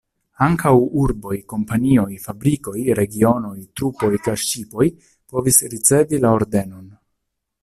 Ankaŭ urboj, kompanioj, fabrikoj, regionoj, trupoj kaj ŝipoj povis ricevi la ordenon.